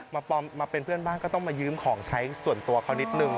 มาเป็นเพื่อนบ้านก็ต้องมายืมของใช้ส่วนตัวเขานิดนึง